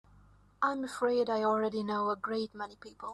I'm afraid I already know a great many people.